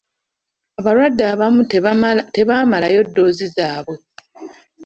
Abalwadde abamu tebamalaayo ddoozi zaabwe.